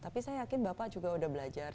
tapi saya yakin bapak juga udah belajar